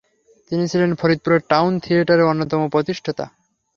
তিনি ছিলেন ফরিদপুর টাউন থিয়েটারে অন্যতম প্রতিষ্ঠাতা।